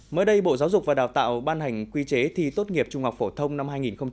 mới đây bộ giáo dục và đào tạo ban hành quy chế thi tốt nghiệp trung học phổ thông năm hai nghìn hai mươi